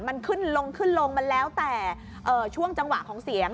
มันขึ้นลงขึ้นลงมันแล้วแต่ช่วงจังหวะของเสียง